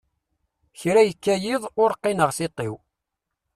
Kra yekka yiḍ, ur qqineɣ tiṭ-iw.